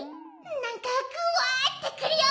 何かぐわーってくるよ！